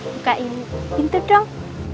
bukain pintu dong